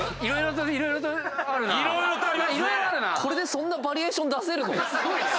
これでそんなバリエーション出せるの？